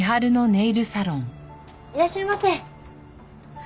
いらっしゃいませ。